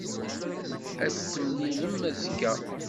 Ad t-temlilem azekka.